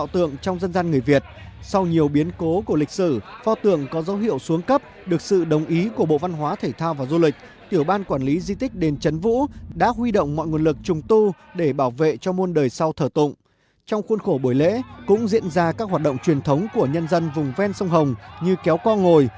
trong khuôn khổ buổi lễ cũng diễn ra các hoạt động truyền thống của nhân dân vùng ven sông hồng như kéo co ngồi